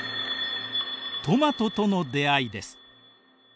トマトとの出会いです。